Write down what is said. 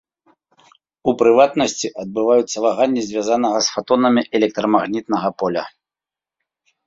У прыватнасці, адбываюцца ваганні звязанага з фатонамі электрамагнітнага поля.